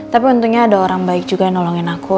tapi tentunya ada orang baik juga yang nolongin aku